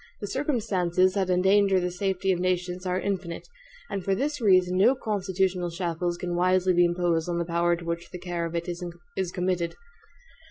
The circumstances that endanger the safety of nations are infinite, and for this reason no constitutional shackles can wisely be imposed on the power to which the care of it is committed.